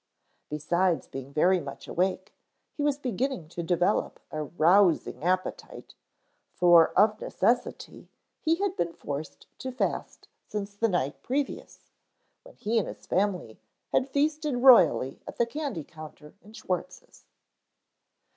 Besides being very much awake, he was beginning to develop a rousing appetite, for of necessity he had been forced to fast since the night previous, when he and his family had feasted royally at the candy counter in Schwartz's.